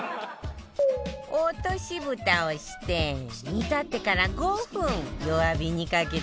落とし蓋をして煮立ってから５分弱火にかけたら